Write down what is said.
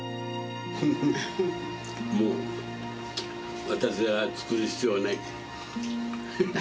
もう私が作る必要はない。